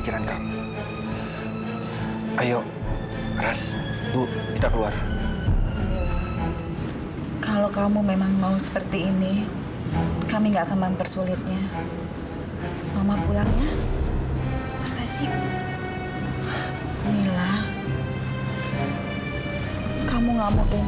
kakak akan selalu menghibur mama kan